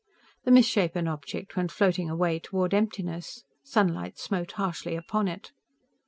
The misshapen object went floating away toward emptiness. Sunlight smote harshly upon it.